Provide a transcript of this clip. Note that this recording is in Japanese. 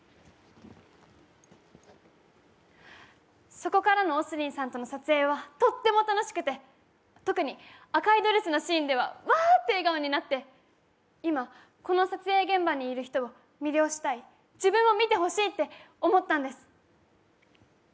そこからのＯＳＲＩＮさんとの撮影はとっても楽しくて、特に赤いドレスのシーンではわーっと笑顔になって、今、この撮影現場にいる人を魅了したい、自分を見てほしいって思ったんです。